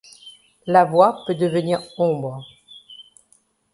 La voix peut devenir ombre.